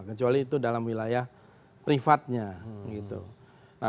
kecuali itu dalam wilayah privatnya